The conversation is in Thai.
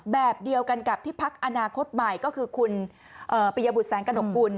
แบบเดียวกันกับที่พักอนาคตใหม่ก็คือคุณปิยบุตรแสงกระหนกกุล